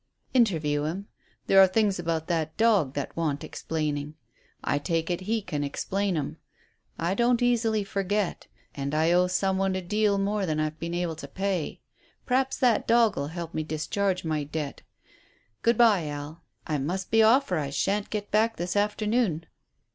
"Interview him. There are things about that dog that want explaining. I take it he can explain 'em. I don't easily forget. And I owe some one a deal more than I've yet been able to pay. P'r'aps that dog'll help me to discharge my debt. Good bye, Al; I must be off or I shan't get back this afternoon."